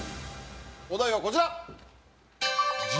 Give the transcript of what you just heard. お題はこちら。